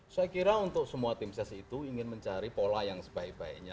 saya kira untuk semua tim ses itu ingin mencari pola yang sebaik baiknya